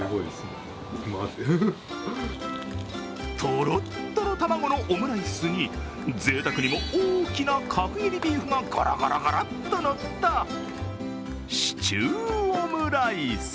とろっとろ卵のオムライスにぜいたくにも大きな角切りビーフがゴロゴロゴロとのったシチューオムライス。